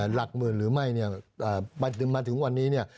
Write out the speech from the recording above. หลักหมื่นหรือไม่มาถึงวันนี้